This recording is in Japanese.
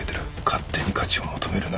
勝手に価値を求めるな。